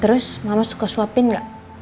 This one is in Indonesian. terus mama suka suapin nggak